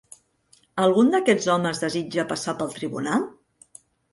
Algun d'aquests homes desitja passar pel tribunal?